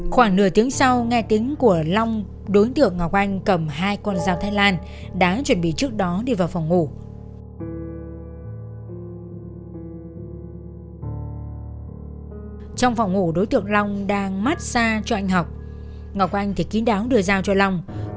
khi ngần được tín hiệu nháy mắt đối tượng ngọc anh đưa dao cho long